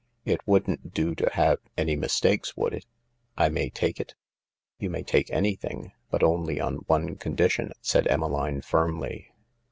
It wouldn't do to have any mistakes, would it ? I may take it ?" "You may take anything— but only on one condition," said Emmeline firmly.